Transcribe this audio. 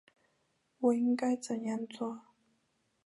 我应该怎样做？